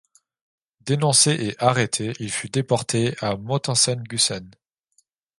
Dénoncé et arrêté, il fut déporté à Mauthausen-Gusen.